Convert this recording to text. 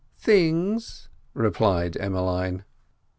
"Things," replied Emmeline.